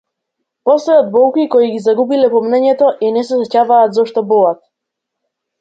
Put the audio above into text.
Постојат болки кои го загубиле помнењето и не се сеќаваат зошто болат.